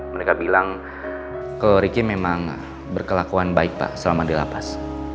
mereka bilang ke ricky memang berkelakuan baik pak selama di lapas